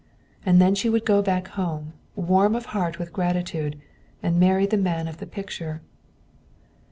And then she would go back home, warm of heart with gratitude, and marry the man of the picture.